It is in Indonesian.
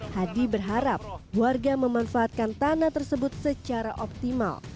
hadi berharap warga memanfaatkan tanah tersebut secara optimal